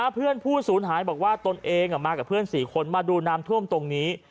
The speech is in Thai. เพื่อนผู้ศูนย์หายบอกว่าตนเองมากับเพื่อนสี่คนมาดูน้ำท่วมตรงนี้